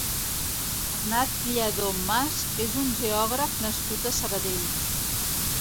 Bernat Lladó Mas és un geògraf nascut a Sabadell.